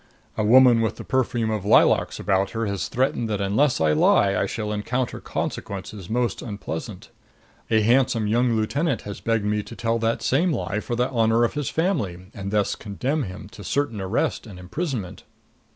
A woman with the perfume of lilacs about her has threatened that unless I lie I shall encounter consequences most unpleasant. A handsome young lieutenant has begged me to tell that same lie for the honor of his family, and thus condemn him to certain arrest and imprisonment.